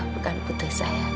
bukan putri saya